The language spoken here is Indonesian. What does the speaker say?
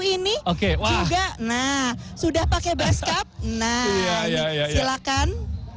ini juga nah sudah pakai bus cap nah silahkan